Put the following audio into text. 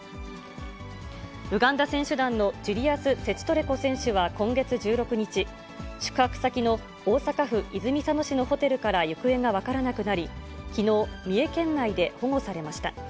ウガンダ選手団のジュリアス・セチトレコ選手は今月１６日、宿泊先の大阪府泉佐野市のホテルから行方が分からなくなり、きのう、三重県内で保護されました。